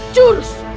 jurus